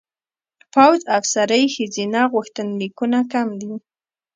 پوځ افسرۍ ښځینه غوښتنلیکونه کم دي.